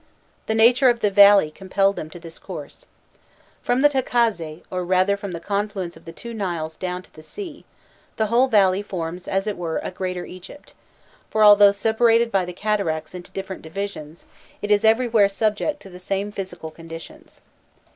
The nature of the valley compelled them to this course. From the Tacazze, or rather from the confluence of the two Niles down to the sea, the whole valley forms as it were a Greater Egypt; for although separated by the cataracts into different divisions, it is everywhere subject to the same physical conditions.